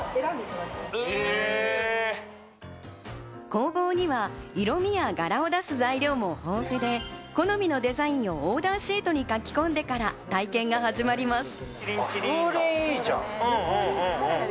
工房には色味や柄を出す材料も豊富で、好みのデザインをオーダーシートに書き込んでから体験が始まります。